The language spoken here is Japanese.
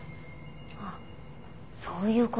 あっそういう事。